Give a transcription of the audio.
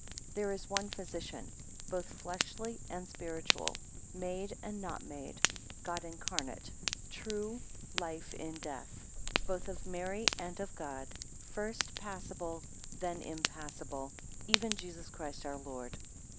7 There is one Physician, both fleshy and spiritual; made and not made; God incarnate; true life in death; both of Mary and of God: first passible, then impassible; even Jesus Christ our Lord.